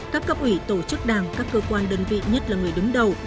các cấp ủy tổ chức đảng các cơ quan đơn vị nhất là người đứng đầu